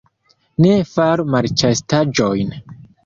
Ne faru malĉastaĵon.